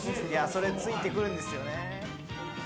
・それついてくるんですよね。